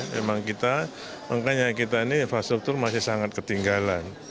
memang kita makanya kita ini infrastruktur masih sangat ketinggalan